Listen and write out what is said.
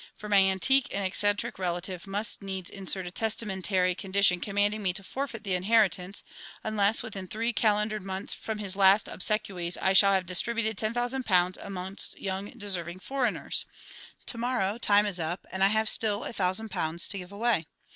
For my antique and eccentric relative must needs insert a testamentary condition commanding me to forfeit the inheritance, unless, within three calendered months from his last obsequies, I shall have distributed ten thousand pounds amongst young deserving foreigners. To morrow time is up, and I have still a thousand pounds to give away!